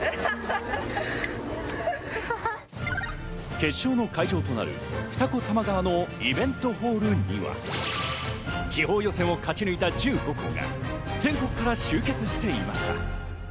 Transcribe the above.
決勝の会場となる二子玉川のイベントホールには、地方予選を勝ち抜いた１５校が全国から集結していました。